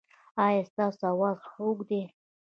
ایا ستاسو اواز خوږ دی؟